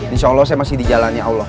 insya allah saya masih di jalannya allah